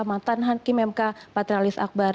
matan hakim mk patralis akbar